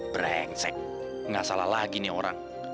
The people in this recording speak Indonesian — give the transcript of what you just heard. brengsek nggak salah lagi nih orang